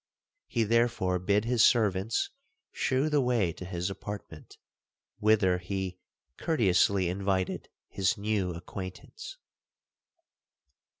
He therefore bid his servants shew the way to his apartment, whither he courteously invited his new acquaintance.